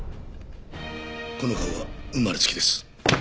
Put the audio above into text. この顔は生まれつきです。